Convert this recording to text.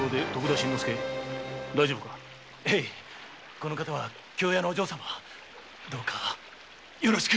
この方は京屋のお嬢様どうかよろしく。